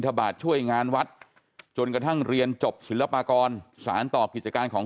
บาทช่วยงานวัดจนกระทั่งเรียนจบศิลปากรสารต่อกิจการของ